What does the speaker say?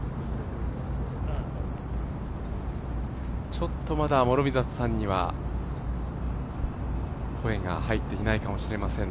ちょっとまだ、諸見里さんには声が入っていないかもしれません。